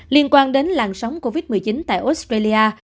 liên quan đến làn sóng covid một mươi chín tại australia